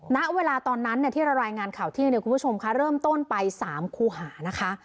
ณเวลาตอนนั้นที่เรารายงานข่าวเที่ยงเนี่ยคุณผู้ชมค่ะเริ่มต้นไป๓คู่หานะคะ